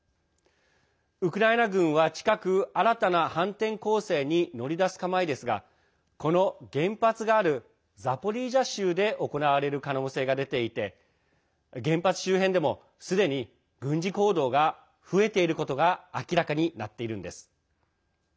ウクライナ軍は近く新たな反転攻勢に乗り出す構えですがこの原発があるザポリージャ州で行われる可能性が出ていて原発周辺でも、すでに軍事行動が増えていることが明らかになっているんです。